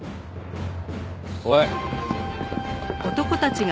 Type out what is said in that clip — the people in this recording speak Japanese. おい！